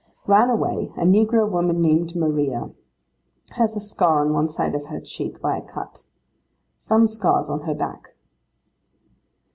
'Ran away, a negro woman named Maria. Has a scar on one side of her cheek, by a cut. Some scars on her back.